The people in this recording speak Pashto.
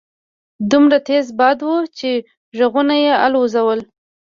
دومره تېز باد وو چې غوږونه يې الوځول.